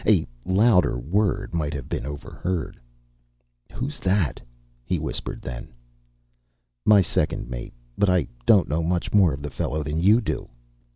A louder word might have been overheard. "Who's that?" he whispered then. "My second mate. But I don't know much more of the fellow than you do."